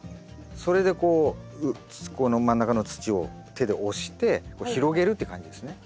それでこうこの真ん中の土を手で押して広げるって感じですね。